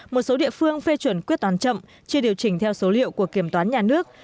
một số địa phương phê chuẩn quyết toán chậm chưa điều chỉnh theo số liệu của kiểm toán nhà nước